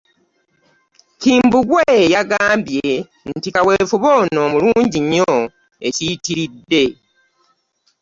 Kambugwe yagambye nti kaweefube ono mulungi nnyo ekiyitiridde